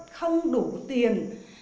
không đủ tiền